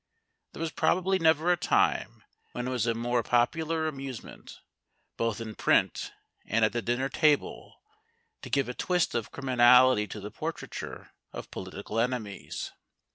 There was probably never a time when it was a more popular amusement, both in print and at the dinner table, to give a twist of criminality to the portraiture of political enemies.